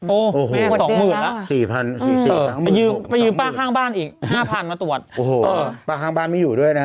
โอ้แม่สองหมื่นละสามหมื่น